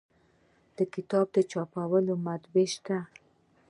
د کتاب چاپولو مطبعې شته